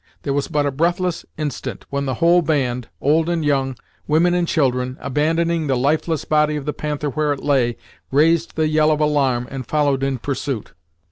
There was but a breathless instant, when the whole band, old and young, women and children, abandoning the lifeless body of the Panther where it lay, raised the yell of alarm and followed in pursuit.